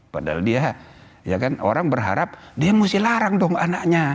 padahal dia ya kan orang berharap dia mesti larang dong anaknya